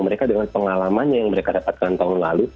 mereka dengan pengalamannya yang mereka dapatkan tahun lalu